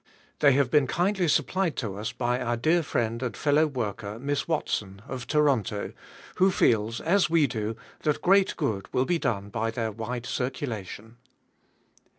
They have been kindly supplied to us by our dear Mend and fellow worker, Miss Watson, of To ronto, who feels as we do, that great good will be done by their wide circulation.